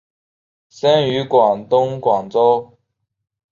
生于广东广州。